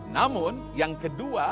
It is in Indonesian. namun yang kedua